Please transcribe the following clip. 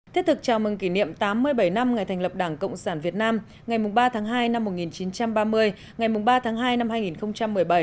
thiết thực chào mừng kỷ niệm tám mươi bảy năm ngày thành lập đảng cộng sản việt nam ngày ba tháng hai năm một nghìn chín trăm ba mươi ngày ba tháng hai năm hai nghìn một mươi bảy